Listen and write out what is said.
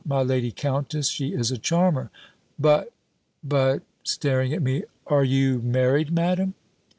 My Lady Countess, she is a charmer! But but " staring at me, "Are you married, Madam?"